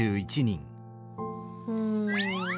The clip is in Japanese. うん。